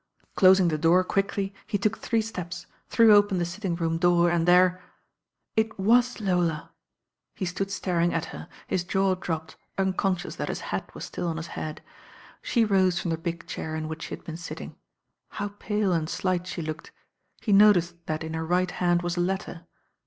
Closing the door quickly he took three steps, threw open the sitting room door and there • It was Lola I He stood staring at her, his jaw dropped, uncon scious that his hat was still on his head. She rose from the big chair in which she had been sittmg. How pale and slight she looked. He no ticed that in her right hand was a letter.